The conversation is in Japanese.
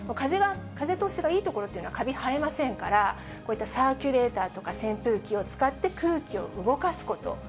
風通しがいい所っていうのは、カビ生えませんから、こういったサーキュレーターとか扇風機を使って、空気を動かすこと。